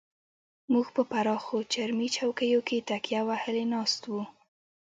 موږ په پراخو چرمي چوکیو کې تکیه وهلې ناست وو.